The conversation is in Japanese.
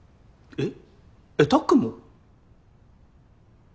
えっ？